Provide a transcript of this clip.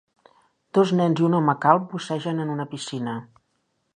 Dos nens i un home calb bussegen en una piscina.